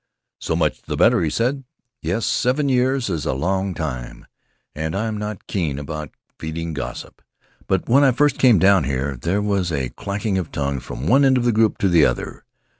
"So much the better," he said. "Yes, seven years is a long time, and I'm not keen about feeding gossip; but when I first came down here there was a clacking of tongues from one end of the group to the other.